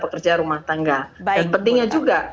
pekerja rumah tangga dan pentingnya juga